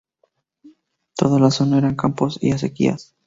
Toda la zona eran campos y acequias.